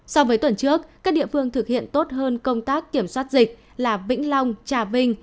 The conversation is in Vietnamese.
so với tuần trước các địa phương thực hiện tốt hơn công tác kiểm soát dịch là vĩnh long trà vinh